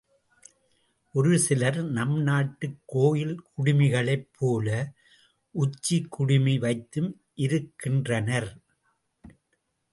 ஒரு சிலர் நம் நாட்டுக் கோயில் குடுமிகளைப் போல உச்சிக் குடுமி வைத்தும் இருக்தின்றனர்.